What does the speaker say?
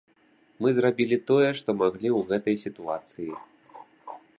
Мы зрабілі тое, што маглі ў гэтай сітуацыі.